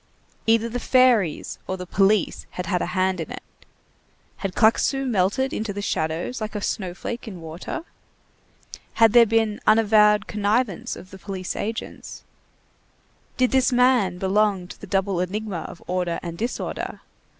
Either the fairies or the police had had a hand in it. Had Claquesous melted into the shadows like a snow flake in water? Had there been unavowed connivance of the police agents? Did this man belong to the double enigma of order and disorder?